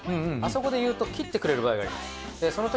あそこで言うと切ってくれる場合があります。